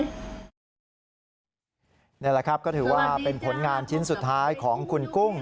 นี่แหละครับก็ถือว่าเป็นผลงานชิ้นสุดท้ายของคุณกุ้ง